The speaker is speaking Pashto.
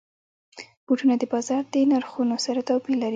بوټونه د بازار د نرخونو سره توپیر لري.